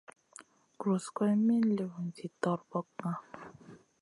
Guros guroyna min liwna zi torbokna.